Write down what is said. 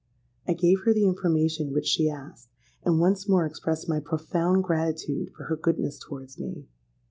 '—I gave her the information which she asked, and once more expressed my profound gratitude for her goodness towards me.